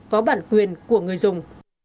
có bản quyền của người dùng